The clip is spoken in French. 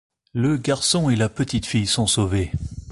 Le garçon et la petite fille sont sauvés.